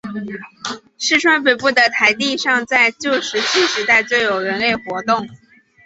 市川北部的台地上在旧石器时代就有人类活动。